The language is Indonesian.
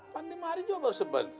pandemi hari juga baru sebet